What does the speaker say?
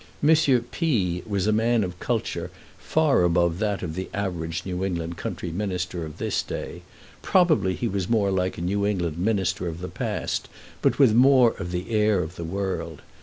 M. P was a man of culture far above that of the average New England country minister of this day; probably he was more like a New England minister of the past, but with more of the air of the world.